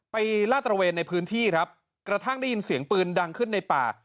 ลาดตระเวนในพื้นที่ครับกระทั่งได้ยินเสียงปืนดังขึ้นในป่า